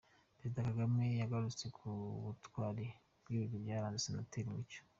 Perezida Kagame yagarutse ku butwari n’ibigwi byaranze Senateri Mucyo .